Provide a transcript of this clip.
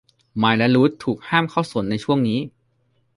ไมค์และรูธถูกห้ามเข้าสวนในช่วงนี้